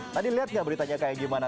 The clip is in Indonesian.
tadi liat ga beritanya kayak gimana